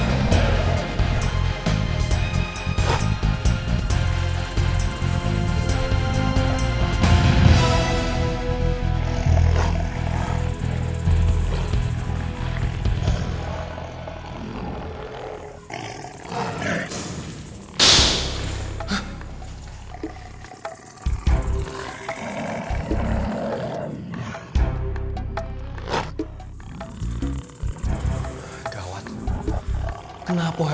ini adalah pandangan saya